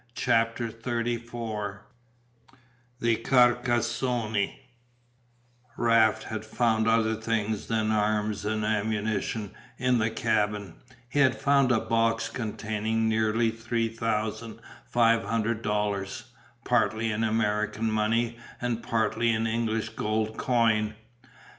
CHAPTER XXXIV THE CARCASSONNE Raft had found other things than arms and ammunition in the cabin, he had found a box containing nearly three thousand five hundred dollars, partly in American money and partly in English gold coin.